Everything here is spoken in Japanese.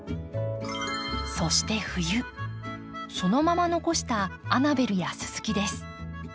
そして冬そのまま残したアナベルやススキです。